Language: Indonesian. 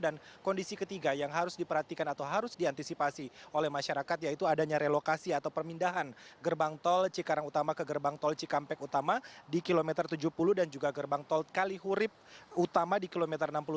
dan kondisi ketiga yang harus diperhatikan atau harus diantisipasi oleh masyarakat yaitu adanya relokasi atau permindahan gerbang tol cikarang utama ke gerbang tol cikampek utama di kilometer tujuh puluh dan juga gerbang tol kalihurip utama di kilometer enam puluh tujuh